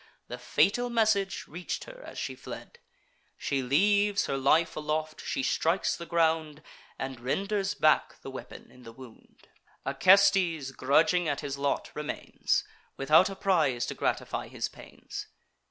The fatal message reach'd her as she fled: She leaves her life aloft; she strikes the ground, And renders back the weapon in the wound. Acestes, grudging at his lot, remains, Without a prize to gratify his pains.